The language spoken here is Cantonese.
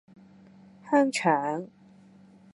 香腸